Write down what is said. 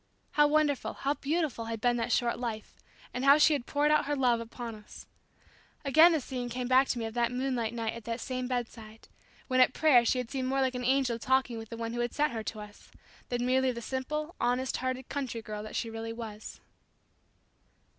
How wonderful, how beautiful, had been that short life, and how she had poured out her love upon us. Again the scene came back to me of that moonlight night at this same bedside, when at prayer she had seemed more like an angel talking with the One who had sent her to us, than merely the simple, honest hearted country girl that she really was.